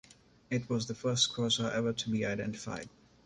It was the first quasar ever to be identified.